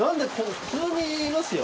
普通にいますよ。